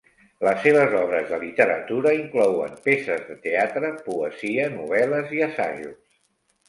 Les seves obres de literatura inclouen peces de teatre, poesia, novel·les i assajos.